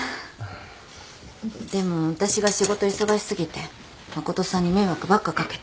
でも私が仕事忙し過ぎて誠さんに迷惑ばっか掛けて。